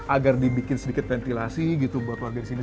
agar dibikin sedikit ventilasi gitu buat warga di sini